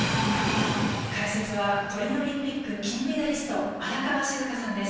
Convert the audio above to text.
解説はトリノオリンピック金メダリスト荒川静香さんです。